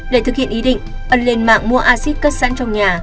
để thực hiện ý định ân lên mạng mua acid cất sẵn trong nhà